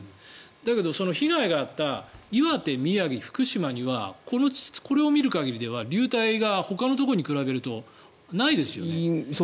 だけど、被害があった岩手、宮城、福島にはこれを見る限りでは流体がほかのところに比べるとないですよね。